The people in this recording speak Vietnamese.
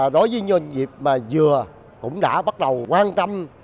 đối với doanh nghiệp mà vừa cũng đã bắt đầu quan tâm